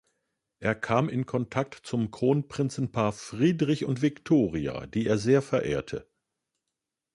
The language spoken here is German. Er kam in Kontakt zum Kronprinzenpaar Friedrich und Victoria, die er sehr verehrte.